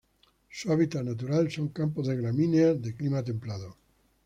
Su hábitat natural son: campos de gramíneas de clima templado.